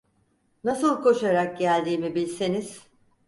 Nasıl koşarak geldiğimi bilseniz…